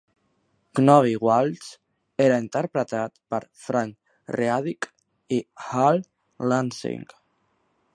Knobby Walsh era interpretat per Frank Readick i Hal Lansing.